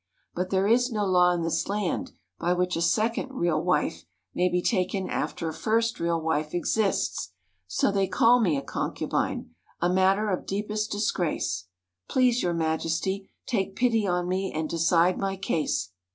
But there is no law in this land by which a second real wife may be taken after a first real wife exists, so they call me a concubine, a matter of deepest disgrace. Please, your Majesty, take pity on me and decide my case."